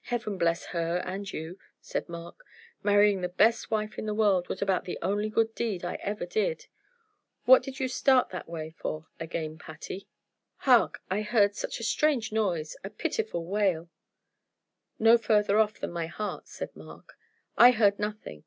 "Heaven bless her and you!" said Mark. "Marrying the best wife in the world was about the only good deed I ever did What do you start that way for again, Patty?" "Hark! I heard such a strange noise a pitiful wail." "Not further off than my heart," said Mark. "I heard nothing.